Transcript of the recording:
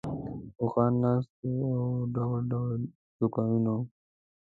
اوښان ناست وو او ډول ډول دوکانونه وو.